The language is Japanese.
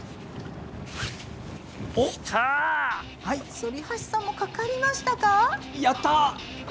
反橋さんもかかりましたか。